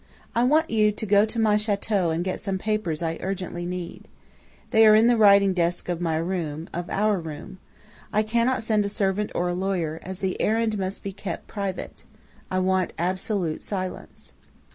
I want you to go to my château and get some papers I urgently need. They are in the writing desk of my room, of our room. I cannot send a servant or a lawyer, as the errand must be kept private. I want absolute silence.